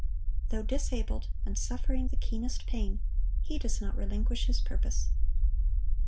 Though disabled, and suffering the keenest pain, he does not relinquish his purpose.